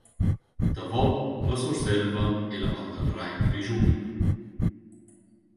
Tavo, la Surselva e la Val dal Rain grischuna.